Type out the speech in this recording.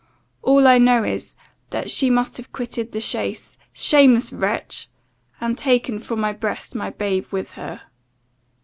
All I know is, that she must have quitted the chaise, shameless wretch! and taken (from my breast) my babe with her.